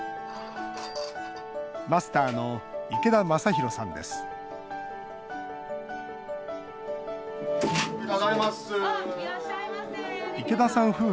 マスターの池田昌広さんです。